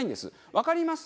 わかります？